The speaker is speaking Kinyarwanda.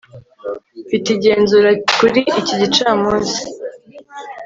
mfite igenzura kuri iki gicamunsi